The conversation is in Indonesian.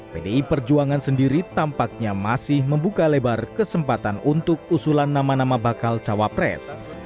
pdi perjuangan sendiri tampaknya masih membuka lebar kesempatan untuk usulan nama nama bakal cawapres